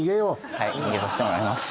はい逃げさせてもらいます